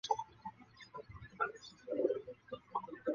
在弗内斯半岛的巴罗市建造。